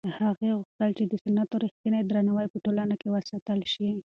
هغې غوښتل چې د سنتو رښتینی درناوی په ټولنه کې وساتل شي.